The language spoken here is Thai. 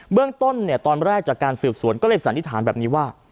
เรื่องต้นตอนแรกจากการสืบสวนก็เลยสันนิษฐานแบบนี้ว่า